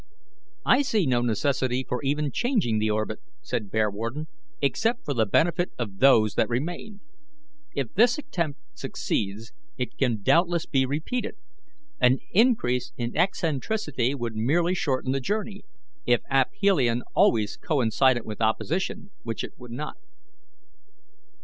"I see no necessity for even changing the orbit," said Bearwarden, "except for the benefit of those that remain. If this attempt succeeds, it can doubtless be repeated. An increase in eccentricity would merely shorten the journey, if aphelion always coincided with opposition, which it would not."